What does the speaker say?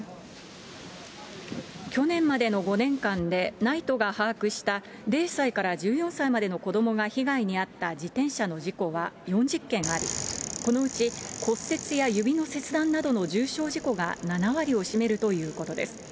去年までの５年間で、ＮＩＴＥが把握した０歳から１４歳までの子どもが被害に遭った自転車の事故は４０件あり、このうち骨折や指の切断などの重傷事故が７割を占めるということです。